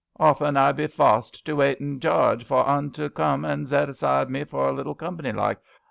Often I be fossed to waiken Jarge for un to come and zet beside me for a little comp'ny like.